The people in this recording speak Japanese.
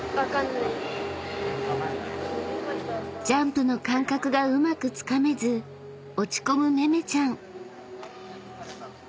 ［ジャンプの感覚がうまくつかめず落ち込むめめちゃん］